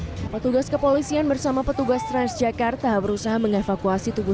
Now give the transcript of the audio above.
hai petugas kepolisian bersama petugas transjakarta berusaha mengevakuasi tubuh